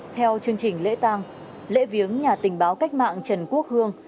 theo chương trình lễ tàng lễ viếng nhà tình báo cách mạng trần quốc hương